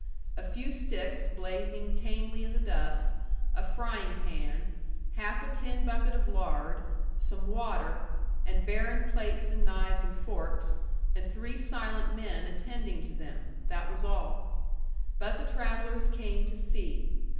A few sticks blazing tamely in the dust, a frying pan, half a tin bucket of lard, some water, and barren plates and knives and forks, and three silent men attending to them that was all. But the travellers came to see.